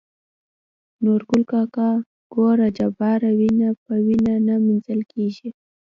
نورګل کاکا :ګوره جباره وينه په وينو نه مينځل کيږي.